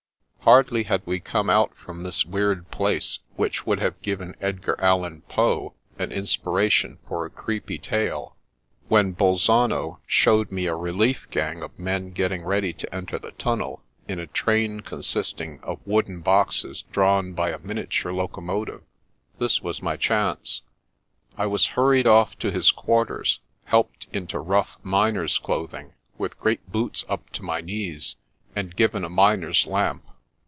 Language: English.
Hardly had we come out from this weird place, which would have given Edgar Allan Poe an inspi ration for a creepy tale, when Bolzano showed me a 8o The Princess Passes relief gang of men getting ready to enter the tunnel, in a train consisting of wooden boxes drawn by a miniature locomotive. This was my chance. I was hurried off to his quarters, helped into rough, miner's clothing, with great boots up to my knees, and given a miner's lamp.